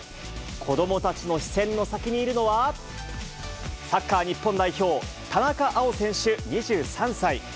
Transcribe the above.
子どもたちの視線の先にいるのは、サッカー日本代表、田中碧選手２３歳。